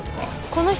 この人